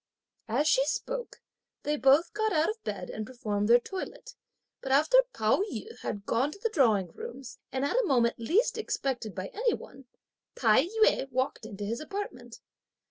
As she spoke, they both got out of bed and performed their toilette; but after Pao yü had gone to the drawing rooms, and at a moment least expected by any one, Tai yü walked into his apartment.